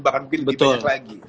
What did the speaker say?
bahkan mungkin lebih banyak lagi